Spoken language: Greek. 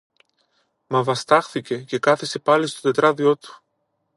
Μα βαστάχθηκε και κάθησε πάλι στο τετράδιο του.